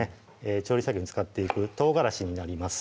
調理作業に使っていく唐辛子になります